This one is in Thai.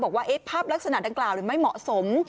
บอกว่าภาพลักษณะดังกล่าวไม่เหมาะสม